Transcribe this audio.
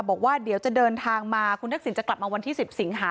บอกว่าเดี๋ยวจะเดินทางมาคุณทักษิณจะกลับมาวันที่๑๐สิงหา